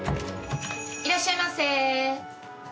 いらっしゃいませ。